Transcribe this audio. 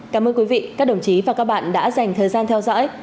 cảm ơn quý vị các đồng chí và các bạn đã dành thời gian theo dõi